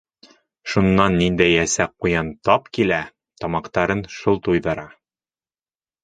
Шунан ниндәй әсә ҡуян тап килә, тамаҡтарын шул туйҙыра.